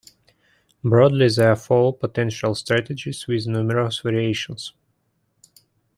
Broadly, there are four potential strategies, with numerous variations.